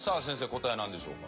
答えはなんでしょうか？